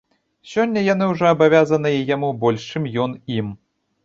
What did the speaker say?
Сёння яны ўжо абавязаныя яму больш, чым ён ім.